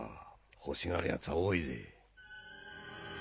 欲しがるヤツは多いぜ。